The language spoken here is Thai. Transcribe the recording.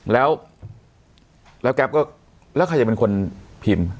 แล้วแก๊ปก็แล้วใครจะเป็นคนพิมพ์